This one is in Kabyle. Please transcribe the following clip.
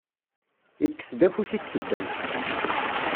Yekkes-d afus i tsebbalt.